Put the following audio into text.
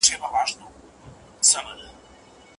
شاګرد د خپلو هیلو د پوره کولو لپاره زیار باسي.